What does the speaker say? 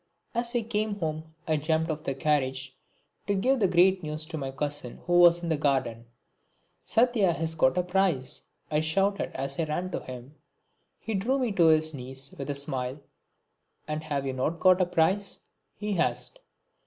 As we came home I jumped off the carriage to give the great news to my cousin who was in the garden. "Satya has got a prize" I shouted as I ran to him. He drew me to his knees with a smile. "And have you not got a prize?" he asked.